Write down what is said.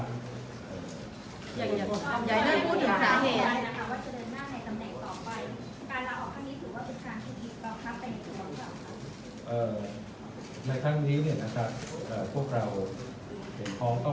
การลาออกทางนี้ถือว่าศึกษาชีวิตเป็นทางที่ต้องการ